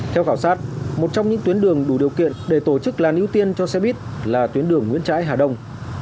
theo khảo sát một trong những tuyến đường đủ điều kiện để tổ chức làn ưu tiên cho xe buýt là tuyến đường nguyễn trãi hà đông